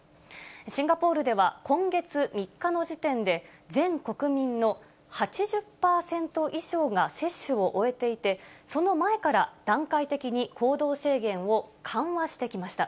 シンガポールでは今月３日の時点で、全国民の８０％以上が接種を終えていて、その前から段階的に行動制限を緩和してきました。